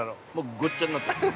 ◆ごっちゃになってます。